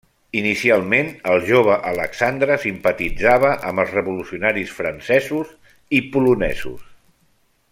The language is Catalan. Inicialment, el jove Alexandre simpatitzava amb els revolucionaris francesos i polonesos.